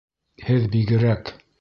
Һеҙ бигерәк!..